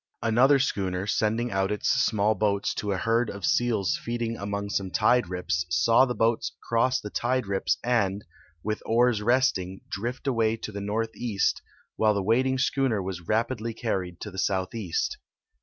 Another schooner, sending out its small boats to a herd of seals feeding among some tide rips, saw the boats cross the tide rips and, with oars resting, drift away to the northeast, while the wait ing schooner was rapidly carried to the southeast.